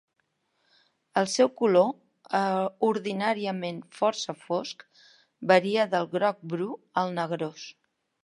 El seu color, ordinàriament força fosc varia del groc-bru al negrós